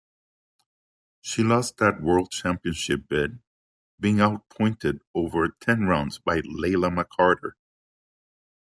She lost that world championship bid, being outpointed over ten rounds by Layla McCarter.